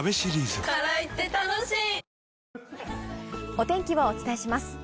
お天気をお伝えします。